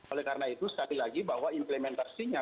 oleh karena itu sekali lagi bahwa implementasinya